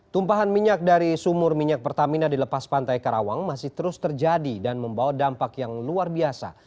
tumpahan minyak dari sumur minyak pertamina di lepas pantai karawang masih terus terjadi dan membawa dampak yang luar biasa